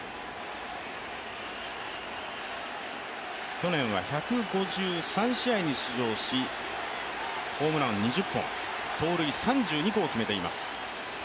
去年は１５３試合に出場しホームラン２０本盗塁３２個を決めています。